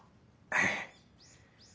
はい。